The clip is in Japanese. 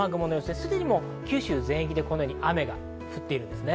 すでに九州全域で、このように雨が降っているんですね。